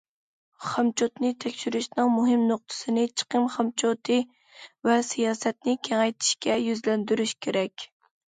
خامچوتنى تەكشۈرۈشنىڭ مۇھىم نۇقتىسىنى چىقىم خامچوتى ۋە سىياسەتنى كېڭەيتىشكە يۈزلەندۈرۈش كېرەك.